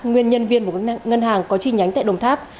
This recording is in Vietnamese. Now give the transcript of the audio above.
nguyên nhân viên của ngân hàng có chi nhánh tại đồng tháp